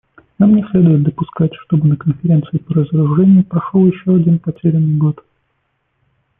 Нам не следует допускать, чтобы на Конференции по разоружению прошел еще один потерянный год.